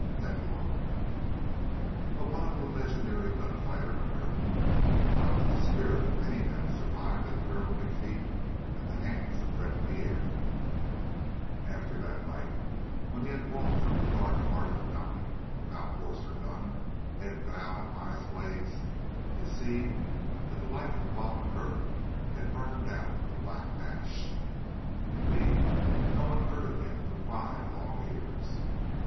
Epilogue But what of the legendary gunfighter, McGurk? How could the spirit of any man survive that terrible defeat at the hands of Red Pierre? After that night, when he had walked from the dark heart of the mountain without horse or gun, head bowed, eyes glazed, it seemed that the life of Bob McGurk had burned down to black ash. Indeed, no one heard of him for five long years.